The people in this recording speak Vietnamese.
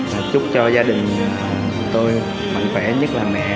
và chúc cho gia đình tôi mạnh khỏe nhất là mẹ